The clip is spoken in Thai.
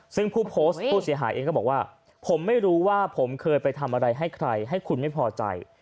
ซึ่งผู้โพสต์ผู้เสียหายเองก็บอกว่าผมไม่รู้ว่าผมเคยไปทำอะไรให้ใครให้คุณไม่พอใจ